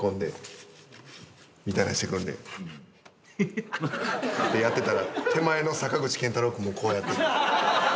てやってたら手前の坂口健太郎君もこうやってて。